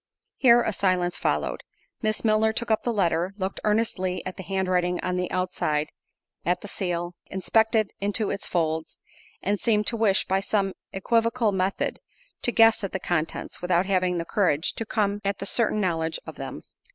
Here a silence followed. Miss Milner took up the letter—looked earnestly at the handwriting on the outside—at the seal—inspected into its folds—and seemed to wish, by some equivocal method, to guess at the contents, without having the courage to come at the certain knowledge of them.